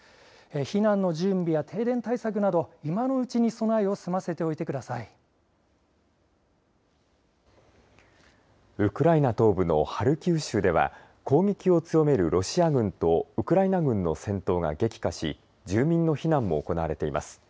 避難の準備や停電対策など、今のうちに備えを済ませておいてくだウクライナ東部のハルキウ州では攻撃を強めるロシア軍とウクライナ軍の戦闘が激化し住民の避難も行われています。